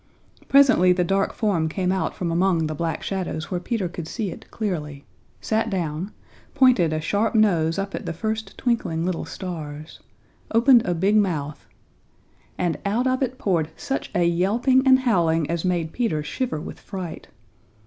Presently the dark form came out from among the Black Shadows where Peter could see it clearly, sat down, pointed a sharp nose up at the first twinkling little stars, opened a big mouth, and out of it poured such a yelping and howling as made Peter shiver with fright.